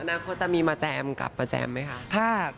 นาคตจะมีมาแจมกับประแจมไหมคะ